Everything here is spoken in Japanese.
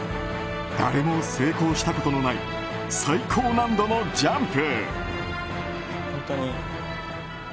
誰も成功したことのない最高難度のジャンプ。